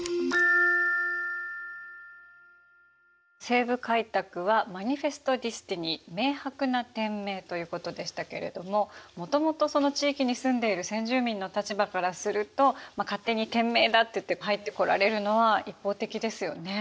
西部開拓はマニフェスト・デスティニー明白な天命ということでしたけれどももともとその地域に住んでいる先住民の立場からすると勝手に天命だって言って入ってこられるのは一方的ですよね。